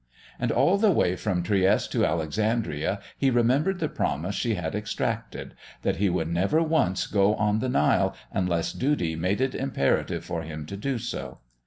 And all the way from Trieste to Alexandria he remembered the promise she had extracted that he would never once go on the Nile unless duty made it imperative for him to do so.